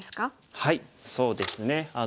はいそうですね。